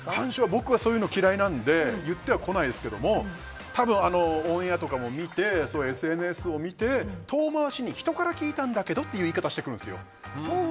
僕は干渉は嫌いなので言ってはこないですけども多分、オンエアとかを見てＳＮＳを見て遠まわしに人から聞いたんだけどという言い方をしてくるんですよ。